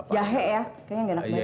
jahe ya kayaknya enggak enak badan